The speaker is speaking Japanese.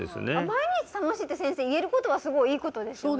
毎日楽しいって先生言えることはすごいいいことですよね？